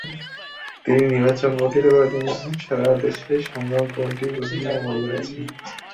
তিনি নির্বাচন প্রতিহত করার জন্য সারা দেশে সংগ্রাম কমিটি গঠনের আহ্বান জানিয়েছেন।